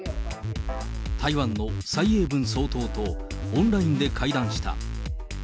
台湾の蔡英文総統とオンラインで会談した。